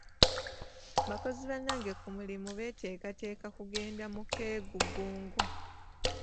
Bakozi bannange ku mulimu beeteekateeka kugenda mu keegugungo.